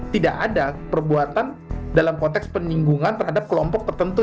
tidak ada perbuatan dalam konteks peninggungan terhadap kelompok tertentu